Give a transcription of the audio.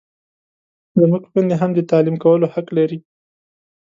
زموږ خویندې هم د تعلیم کولو حق لري!